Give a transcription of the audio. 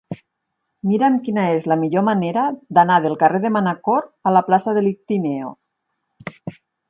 Mira'm quina és la millor manera d'anar del carrer de Manacor a la plaça de l'Ictíneo.